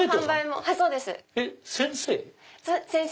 先生？